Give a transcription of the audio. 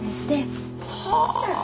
はあ。